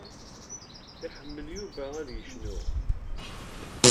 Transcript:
Iḥemmel Yuba ad yecnu.